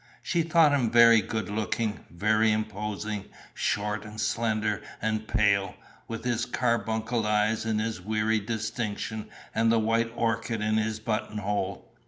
She thought him very good looking, very imposing, short and slender and pale, with his carbuncle eyes and his weary distinction and the white orchid in his button hole.